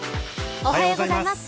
おはようございます。